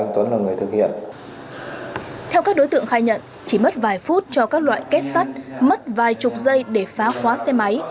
theo các đối tượng khai nhận chỉ mất vài phút cho các loại kết sắt mất vài chục giây để phá khóa xe máy